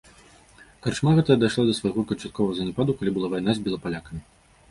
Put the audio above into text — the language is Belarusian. Карчма гэтая дайшла да свайго канчатковага заняпаду, калі была вайна з белапалякамі.